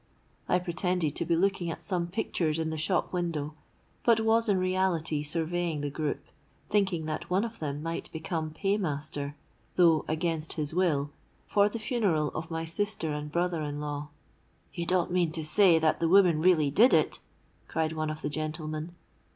I pretended to be looking at some pictures in the shop window, but was in reality surveying the group, thinking that one of them might become paymaster (though against his will) for the funeral of my sister and brother in law.—'You don't mean to say that the woman really did it?' cried one of the gentlemen.